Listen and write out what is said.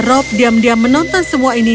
rob diam diam menonton semua ini